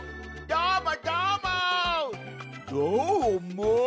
どーも！